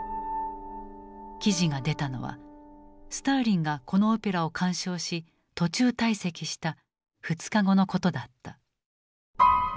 記事が出たのはスターリンがこのオペラを鑑賞し途中退席した２日後のことだった。